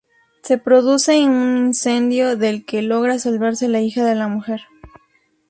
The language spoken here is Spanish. Se produce un incendio, del que logra salvarse la hija de la mujer.